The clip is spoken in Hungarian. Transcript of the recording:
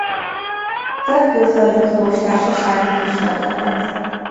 Több külföldi tudós társaságnak is tagja volt.